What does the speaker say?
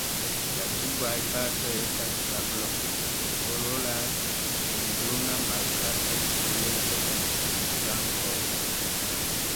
La subaj partoj estas sablokoloraj kun bruna markata strieco en flankoj.